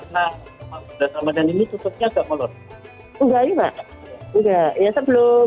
tetapi karena ramadan ini tutupnya agak melur